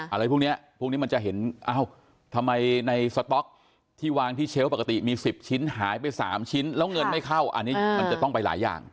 อะไรพวกนี้พวกนี้มันจะเห็นเอ้าทำไมในสต๊อกที่วางที่เชลล์ปกติมี๑๐ชิ้นหายไป๓ชิ้นแล้วเงินไม่เข้าอันนี้มันจะต้องไปหลายอย่าง